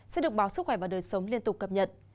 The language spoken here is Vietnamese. sẽ được báo sức khỏe và đời sống liên tục cập nhật